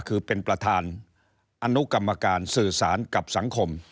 คือเป็นประธานอนุกรรมการสื่อสารกับสังคม